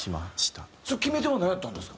決め手はなんやったんですか？